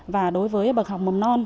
và đối với bậc học mầm non